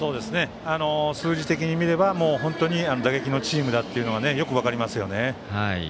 数字的に見れば、本当に打撃のチームだというのがよく分かりますよね。